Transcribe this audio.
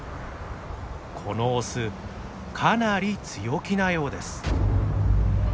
このオスかなり強気なようです。